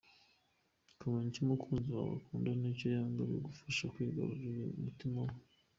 Kumenya icyo umukunzi wawe akunda n’icyo yanga bigufasha kwigarurira umutima we